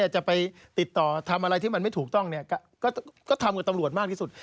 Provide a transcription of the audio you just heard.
จะไปติดต่อทำอะไรที่มันไม่ถูกต้องก็ทำกับตำรวจมากที่สุด